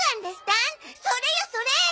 それよそれ！